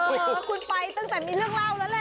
คุณไปตั้งแต่มีเรื่องเล่าแล้วแหละ